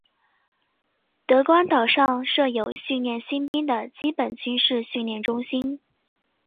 德光岛上设有训练新兵的基本军事训练中心。